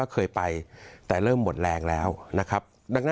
เคยไปแต่เริ่มหมดแรงแล้วนะครับ